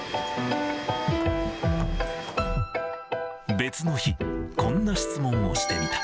別の日、こんな質問をしてみた。